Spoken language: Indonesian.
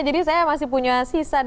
jadi saya masih punya sisa deh